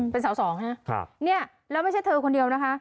เป็นเสา๒นะแล้วไม่ใช่เธอคนเดียวนะคะ